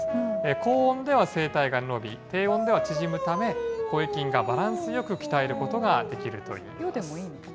高音では声帯が伸び、低音では縮むため、声筋がバランスよく鍛えることができるといいます。